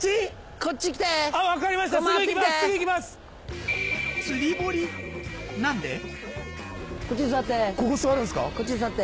こっち座って。